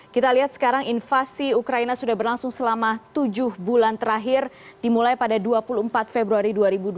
kita lihat sekarang invasi ukraina sudah berlangsung selama tujuh bulan terakhir dimulai pada dua puluh empat februari dua ribu dua puluh